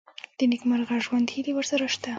د نېکمرغه ژوند هیلې ورسره شته.